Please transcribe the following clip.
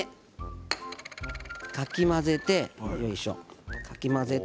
かき混ぜて。